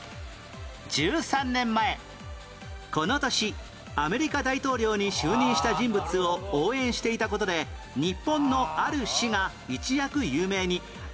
１３年前この年アメリカ大統領に就任した人物を応援していた事で日本のある市が一躍有名に